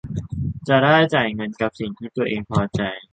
จะได้จ่ายเงินกับสิ่งที่ตัวเองพอใจ